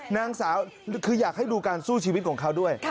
นางสาวคืออยากให้ดูการสู้ชีวิตของเขาด้วย